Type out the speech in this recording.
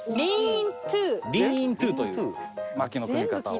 リーントゥという薪の組み方を。